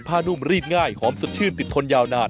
นุ่มรีดง่ายหอมสดชื่นติดทนยาวนาน